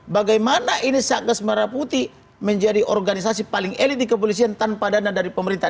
bagaimana ini satgas merah putih menjadi organisasi paling elit di kepolisian tanpa dana dari pemerintah